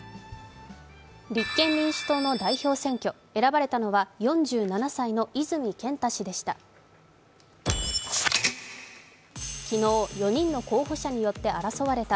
立憲民主党の代表選挙、選ばれたのは４７歳の泉健太氏でした。